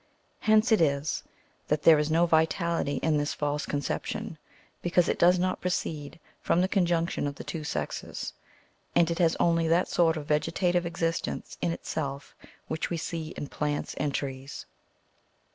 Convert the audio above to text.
Hence it is that there is no vitality in this false conception, because it does not proceed from the con j unction of the two sexes ; and it has only that sort of vegeta tive existence in itself which we see in plants and trees.